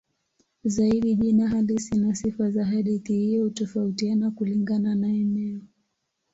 Zaidi jina halisi na sifa za hadithi hiyo hutofautiana kulingana na eneo.